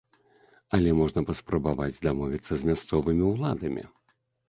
Але можна паспрабаваць дамовіцца з мясцовымі ўладамі.